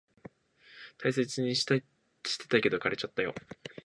大切にしてたけど、枯れちゃったよ。